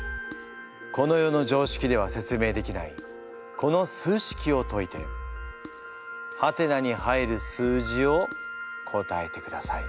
この世のじょうしきでは説明できないこの数式をといて「？」に入る数字を答えてください。